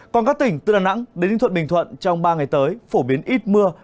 còn các tỉnh từ đà nẵng đến ninh thuận bình thuận trong ba ngày tới phổ biến ít mưa